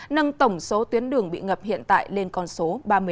nâng tổng số tuyến đường bị ngập hiện tại lên con số ba mươi một